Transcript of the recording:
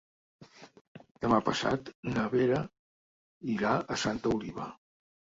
Demà passat na Vera irà a Santa Oliva.